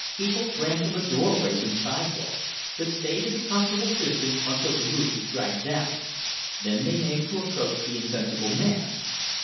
People ran from the doorways and sidewalks, but stayed at a comfortable distance until the moose was dragged down; then they made to approach the insensible man.